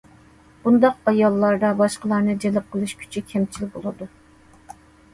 بۇنداق ئاياللاردا باشقىلارنى جەلپ قىلىش كۈچى كەمچىل بولىدۇ.